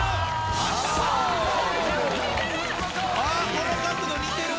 この角度似てる。